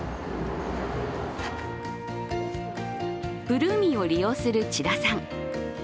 ブルーミーを利用する千田さん。